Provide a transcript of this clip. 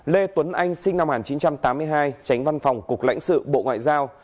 lê tuấn anh sinh năm một nghìn chín trăm tám mươi hai tránh văn phòng cục lãnh sự bộ ngoại giao